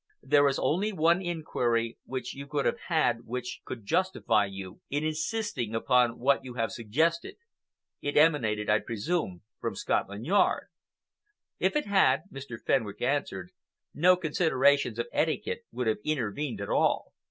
"There is only one inquiry which you could have had which could justify you in insisting upon what you have suggested. It emanated, I presume, from Scotland Yard?" "If it had," Mr. Fenwick answered, "no considerations of etiquette would have intervened at all.